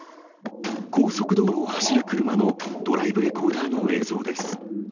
高速道路を走る車のドライブレコーダーの映像です。